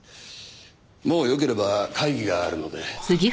もうよければ会議があるので。